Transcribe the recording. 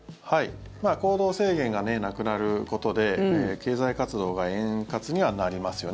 行動制限がなくなることで経済活動が円滑にはなりますよね